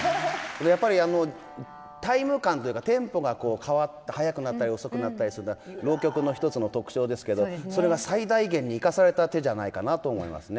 やっぱりタイム感というかテンポが変わって速くなったり遅くなったりするのは浪曲の一つの特徴ですけどそれが最大限に生かされた手じゃないかなと思いますね。